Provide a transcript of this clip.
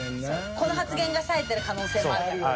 この発言が冴えてる可能性もあるんだ。